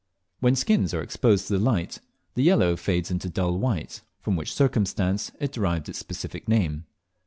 When skins are exposed to the light the yellow fades into dull white, from which circumstance it derived its specific name.